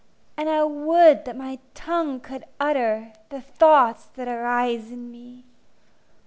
And I would that my tongue could utter The thoughts that arise in me.